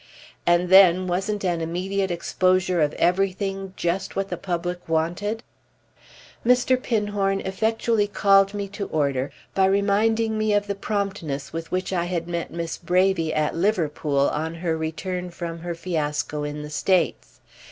And then wasn't an immediate exposure of everything just what the public wanted? Mr. Pinhorn effectually called me to order by reminding me of the promptness with which I had met Miss Braby at Liverpool on her return from her fiasco in the States.